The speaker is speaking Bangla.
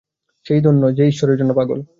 সে-ই ধন্য, যে ঈশ্বরের জন্য পাগল।